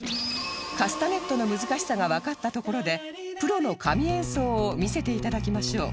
カスタネットの難しさがわかったところでプロの神演奏を見せて頂きましょう